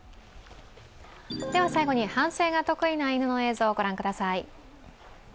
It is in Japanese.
では最後に反省が得意な犬の映像を御覧ください。